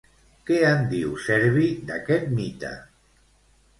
Què en diu, Servi, d'aquest mite?